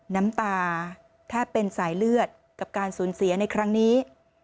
น้ำตาแทบเป็นสายเลือดกับการสูญเสียในครั้งนี้